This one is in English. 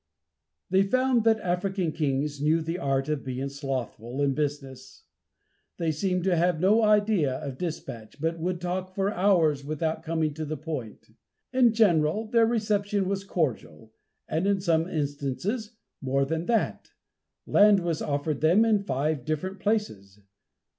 They found that African kings knew the art of being slothful in business. They seemed to have no idea of dispatch, but would talk for hours without coming to the point. In general their reception was cordial, and, in some instances, more than that. Land was offered them in five different places.